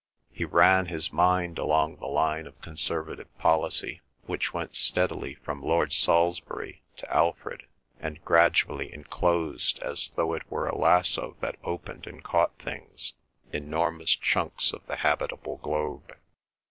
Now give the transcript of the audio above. He ran his mind along the line of conservative policy, which went steadily from Lord Salisbury to Alfred, and gradually enclosed, as though it were a lasso that opened and caught things, enormous chunks of the habitable globe.